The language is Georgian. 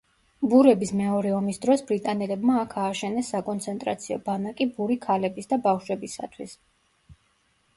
ბურების მეორე ომის დროს ბრიტანელებმა აქ ააშენეს საკონცენტრაციო ბანაკი ბური ქალების და ბავშვებისათვის.